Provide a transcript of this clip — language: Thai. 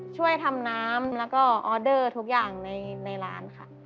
ช่วยทำน้ำแล้วก็ออเดอร์ทุกอย่างในร้านค่ะ